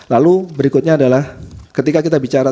lalu berikutnya adalah ketika kita bicara